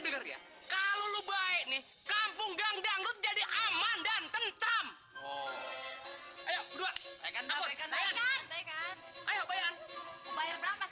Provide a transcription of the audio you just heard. denger ya kalau lu baik nih kampung ganggang jadi aman dan tentang oh ayo berdua akan